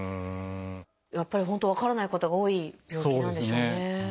やっぱり本当分からないことが多い病気なんでしょうね。